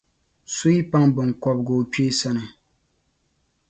so yi paŋ biŋkɔbigu o kpee sani.